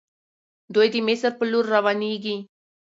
دوی د مصر په لور روانيږي.